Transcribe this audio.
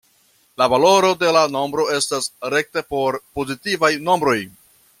La valoro de la nombro estas rekta por pozitivaj nombroj.